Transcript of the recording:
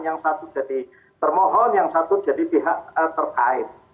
yang satu jadi termohon yang satu jadi pihak terkait